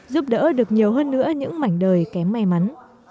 giúp đỡ được nhiều hơn nữa những mảnh đời kém may mắn